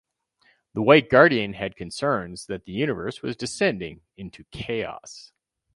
The White Guardian had concerns that the universe was descending into chaos.